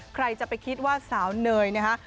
ใครจะไปคิดว่าสาวเนยนะฮะ